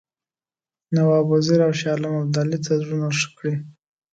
نواب وزیر او شاه عالم ابدالي ته زړونه ښه کړي.